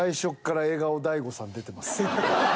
出てます。